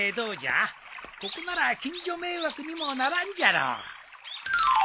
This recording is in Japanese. ここなら近所迷惑にもならんじゃろう。